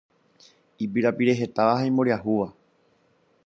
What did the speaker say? ipirapirehetáva ha imboriahúva